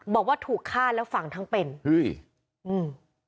บอกว่าถูกฆ่าแล้วฝังทั้งเป็นเฮ้ยอืม